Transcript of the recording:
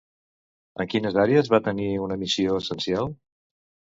En quines àrees va tenir una missió essencial?